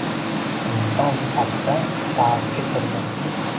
Inson sifatida tarixga kirdi.